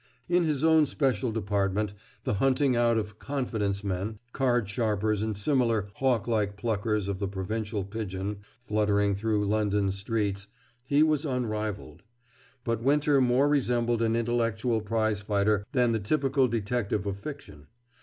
In his own special department, the hunting out of "confidence men," card sharpers, and similar hawklike pluckers of the provincial pigeon fluttering through London's streets, he was unrivaled. But Winter more resembled an intellectual prizefighter than the typical detective of fiction.